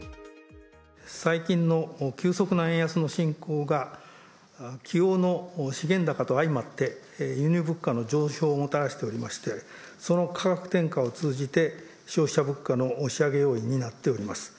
最近の急速な円安の進行がきおうの資源高と相まって、輸入物価の上昇をもたらしておりまして、その価格転嫁を通じて消費者物価の押し上げ要因になっています。